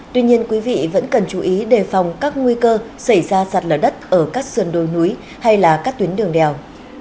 tuy nhiên quý vị vẫn cần chú ý đề phòng các nguy cơ xảy ra sạt lở đất ở các sườn đồi núi hay là các tuyến đường đèo